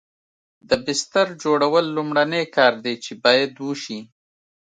د بستر جوړول لومړنی کار دی چې باید وشي